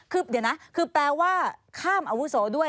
คือเดี๋ยวนะคือแปลว่าข้ามอาวุโสด้วย